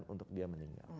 untuk dia meninggal